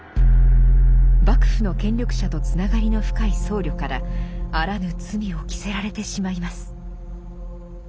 幕府の権力者とつながりの深い僧侶からあらぬ罪を着せられてしまいます。